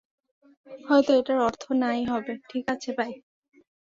হয়তো এটার অর্থ না ই হবে, ঠিক আছে, বাই।